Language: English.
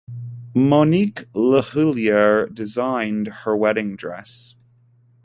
Monique Lhuillier designed her wedding dress.